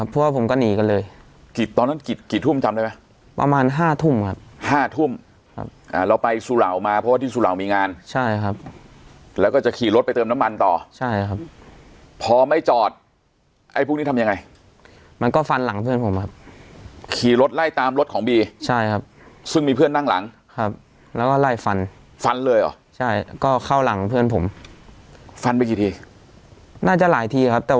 ประมาณห้าทุ่มครับห้าทุ่มครับอ่าเราไปสุเหล่ามาเพราะว่าที่สุเหล่ามีงานใช่ครับแล้วก็จะขี่รถไปเติมน้ำมันต่อใช่ครับพอไม่จอดไอ้พวกนี้ทำยังไงมันก็ฟันหลังเพื่อนผมครับขี่รถไล่ตามรถของบีใช่ครับซึ่งมีเพื่อนนั่งหลังครับแล้วก็ไล่ฟันฟันเลยอ๋อใช่ก็เข้าหลังเพื่อนผมฟันไปกี่ทีน่าจะหลายท